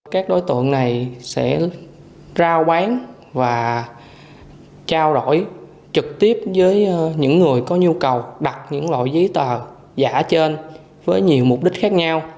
các đối tượng này sẽ rao bán và trao đổi trực tiếp với những người có nhu cầu đặt những loại giấy tờ giả trên với nhiều mục đích khác nhau